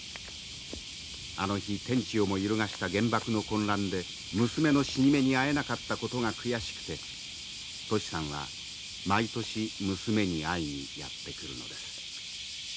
あの日天地をも揺るがした原爆の混乱で娘の死に目に会えなかったことが悔しくてトシさんは毎年娘に会いにやって来るのです。